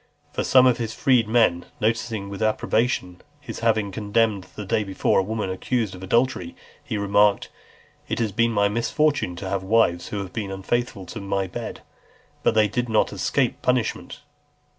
For some of his freedmen noticing with approbation his having condemned, the day before, a woman accused of adultery, he remarked, "It has been my misfortune to have wives who have been unfaithful to my bed; but they did not escape punishment."